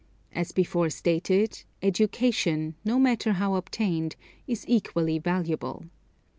As before stated, education, no matter how obtained, is equally valuable.